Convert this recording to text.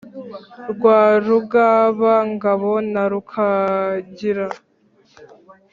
rwa rugaba-ngabo na rukangira,